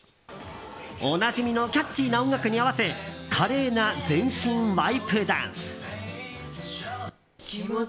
おなじみのキャッチーな音楽に合わせ華麗な全身ワイプダンス。